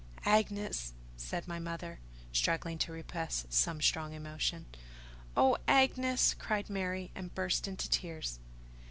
"Agnes!" said my mother, struggling to repress some strong emotion. "Oh, Agnes!" cried Mary, and burst into tears.